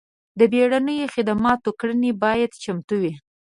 د بیړنیو خدماتو کړنې باید چمتو وي.